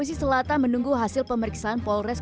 polres selayar menunggu hasil pemeriksaan polres selatan